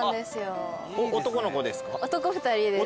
男の子ですか？